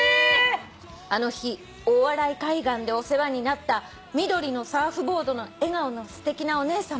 「あの日大洗海岸でお世話になった緑のサーフボードの笑顔のすてきなお姉さま」